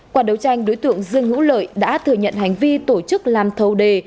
qua đấu tranh đối tượng dương ngũ lợi đã thừa nhận hành vi tổ chức làm thâu đề